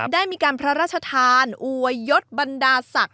ได้มีการพระราชทานอวยยศบรรดาศักดิ